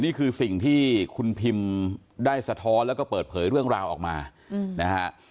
นี่คือสิ่งที่คุณพิมได้สะท้อนแล้วก็เปิดเผยเรื่องราวออกมานะฮะ